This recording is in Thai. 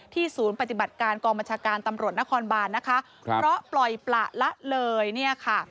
ศูนย์ปฏิบัติการกองบัญชาการตำรวจนครบานนะคะครับเพราะปล่อยปละละเลยเนี่ยค่ะ